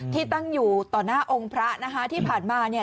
ที่ตั้งอยู่ต่อหน้าองค์พระนะคะที่ผ่านมาเนี่ย